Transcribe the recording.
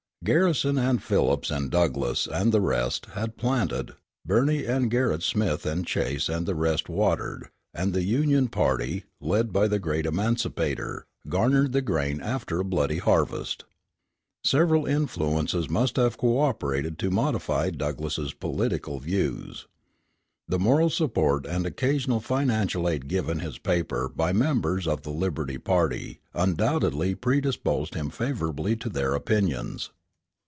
Garrison and Phillips and Douglass and the rest had planted, Birney and Gerrit Smith and Chase and the rest watered, and the Union party, led by the great emancipator, garnered the grain after a bloody harvest. Several influences must have co operated to modify Douglass's political views. The moral support and occasional financial aid given his paper by members of the Liberty party undoubtedly predisposed him favorably to their opinions.